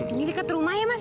ini dekat rumah ya mas